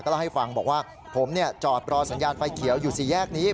เล่าให้ฟังบอกว่าผมจอดรอสัญญาณไฟเขียวอยู่สี่แยกนี้